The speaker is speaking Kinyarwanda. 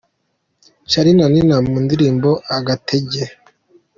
Charly na Nina mu ndirimbo "Agatege".